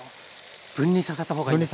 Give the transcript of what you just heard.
分離させた方がいいんですね。